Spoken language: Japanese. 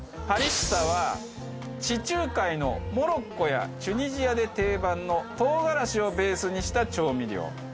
ハリッサは地中海のモロッコやチュニジアで定番の唐辛子をベースにした調味料。